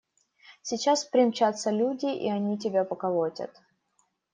Сейчас примчатся… люди, и они тебя поколотят.